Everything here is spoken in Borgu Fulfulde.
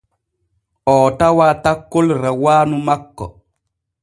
Oo tawaa takkol rawaanu makko.